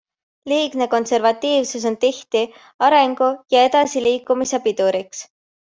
Liigne konservatiivsus on tihti arengu ja edasiliikumise piduriks.